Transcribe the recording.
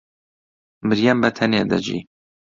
مریەم بەتەنێ دەژی.